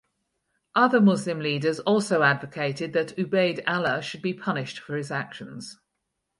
Other Muslim leaders also advocated that Ubayd Allah should be punished for his actions.